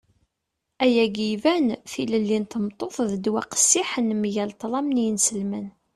ayagi iban. tilelli n tmeṭṭut d ddwa qqessiḥen mgal ṭṭlam n yinselmen